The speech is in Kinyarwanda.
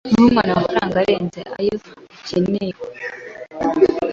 Ntuhe umwana amafaranga arenze ayo akenewe. (nadsat)